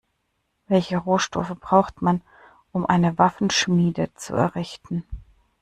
Welche Rohstoffe braucht man, um eine Waffenschmiede zu errichten?